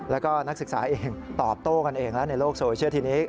แล้วก็นักศึกษาเองตอบโต้กันเองแล้วในโลกโซเชียลทีนี้